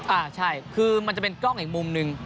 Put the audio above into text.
อ่าใช่คือมันจะเป็นกล้องอีกมุมหนึ่ง